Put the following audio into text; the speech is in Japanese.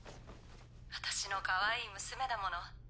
私のかわいい娘だもの。